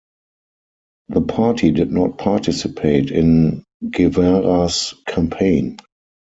The party did not participate in Guevara's campaign.